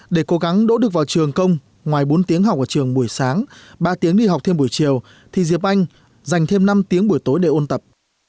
để cố gắng đỗ được vào trường công ngoài bốn tiếng học ở trường buổi sáng ba tiếng đi học thêm buổi chiều thì diệp anh dành thêm năm tiếng buổi tối để ôn tập